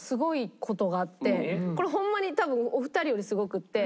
これホンマに多分お二人よりすごくって。